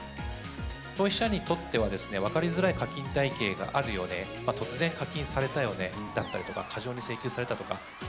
消費者にとってはですね、分かりづらい課金体系があるようで、突然課金されたよねだったりとか、過剰に請求されたとか。